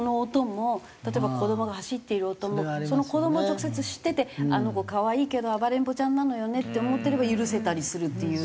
例えば子どもが走っている音もその子どもを直接知っててあの子可愛いけど暴れん坊ちゃんなのよねって思ってれば許せたりするっていう。